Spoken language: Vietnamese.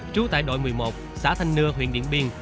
trú tại đội một mươi một xã thanh nưa huyện điện biên